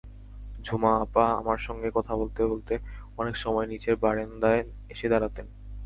ঝুমা আপা আমার সঙ্গে কথা বলতে বলতে অনেক সময় নিচের বারান্দায় এসে দাঁড়াতেন।